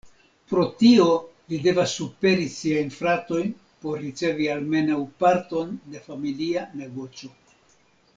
Pro tio li devas superi siajn fratojn por ricevi almenaŭ parton de familia negoco.